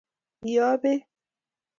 iyoo beek